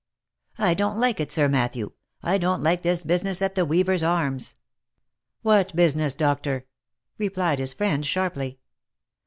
" I don't like it, Sir Matthew. — I don't like this business at the "Weavers' Arms." " What business, Doctor ?" replied his friend sharply.